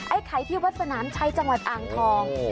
ไข่ที่วัดสนามชัยจังหวัดอ่างทอง